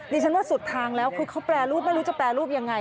ดิฉันว่าสุดทางแล้วคือเขาแปรรูปไม่รู้จะแปรรูปยังไง